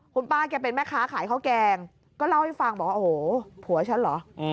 คุณป้าแกเป็นแม่ค้าขายข้าวแกงก็เล่าให้ฟังบอกว่าโอ้โหผัวฉันเหรอ